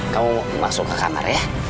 kamu masuk ke kamar ya